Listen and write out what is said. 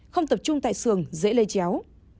không tập trung tại xường dễ lây chéo